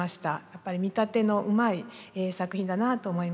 やっぱり見立てのうまい作品だなと思いました。